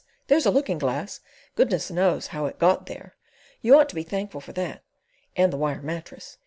There's a looking glass—goodness knows how it got there! You ought to be thankful for that and the wire mattress.